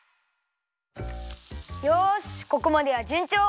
よしここまではじゅんちょう！